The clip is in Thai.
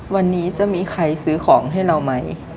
วันนี้จะมีใครซื้อของให้เราไหม